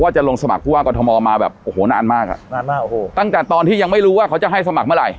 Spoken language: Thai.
จะลงสมัครผู้ว่ากรทมมาแบบโอ้โหนานมากอ่ะนานมากโอ้โหตั้งแต่ตอนที่ยังไม่รู้ว่าเขาจะให้สมัครเมื่อไห